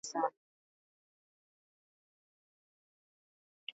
Mungu mwenyewe ari twambia tu rime sana